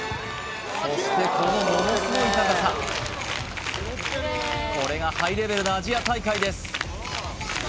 そしてこのものすごい高さこれがハイレベルなアジア大会です